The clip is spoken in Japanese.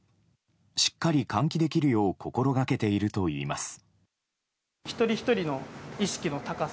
しっかり換気できるよう心がけているといいます。